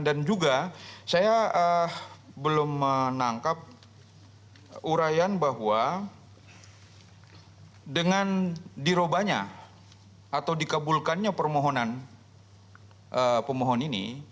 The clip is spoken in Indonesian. dan juga saya belum menangkap urayan bahwa dengan dirobanya atau dikabulkannya permohonan pemohon ini